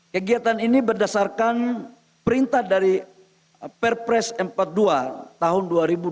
kegiatan ini berdasarkan perintah dari perpres empat puluh dua tahun dua ribu dua puluh